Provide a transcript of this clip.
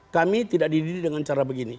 kami tidak didiri dengan cara begini